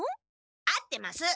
合ってます！